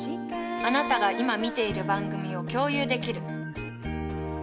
あなたが今見ている番組を共有できる。